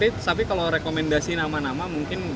tapi kalau rekomendasi nama nama mungkin